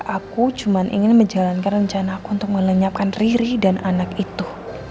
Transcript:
aku cuma ingin menjalankan rencana aku untuk melenyapkan riri dan anak itu